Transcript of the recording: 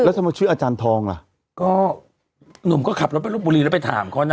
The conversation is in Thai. แล้วทำไมชื่ออาจารย์ทองล่ะก็หนุ่มก็ขับรถไปรบบุรีแล้วไปถามเขานะ